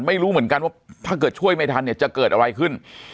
ไม่รู้เหมือนกันว่าถ้าเกิดช่วยไม่ทันเนี่ยจะเกิดอะไรขึ้น